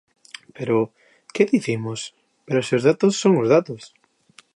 Pero ¿que dicimos?, pero se os datos son os datos.